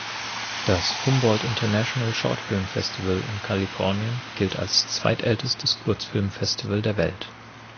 Das Humboldt International Short Film Festival in Kalifornien gilt als zweitältestes Kurzfilmfestival der Welt.